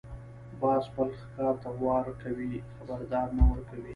باز خپل ښکار ته وار کوي، خبرداری نه ورکوي